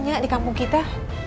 nyek di kampung kita